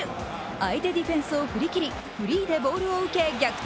相手ディフェンスを振り切り、フリーでボールを受け逆転